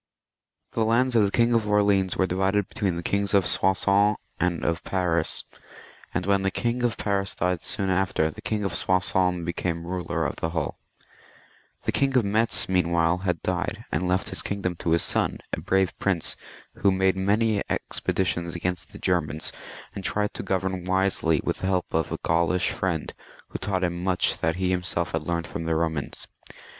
The lands of the King of Orleans were divided between the Kings of Soissons and of Paris, and when the King of Paris died soon after, the King of Soissons became ruler of the whole. The King of Metz meanwhile had died, and left his kingdom to his son, a brave prince, who made many expe ditions against the Germans, and tried to govern wisely v.] THE MERO VINGIAN KINGS, 21 with the help of a Gaulish friend, who taught him much that he himseK had learned from the Eomans.